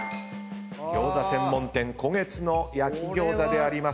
餃子専門店「湖月」の焼き餃子であります。